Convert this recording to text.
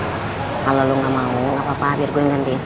kalau lu gak mau gak apa apa biar gue yang ganti